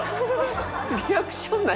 リアクション何？